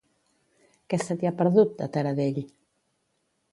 Què se t'hi ha perdut, a Taradell?